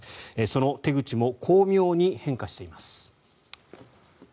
その手口も巧妙に変化しています。